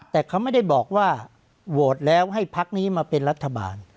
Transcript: แต่เขาไม่ได้บอกว่าโหวตแล้วให้พักนี้มาเป็นรัฐบาล